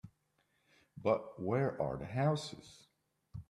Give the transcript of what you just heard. But where are the houses?